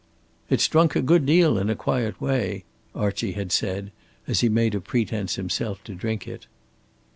"It's drunk a good deal in a quiet way," Archie had said, as he made a pretence himself to drink it.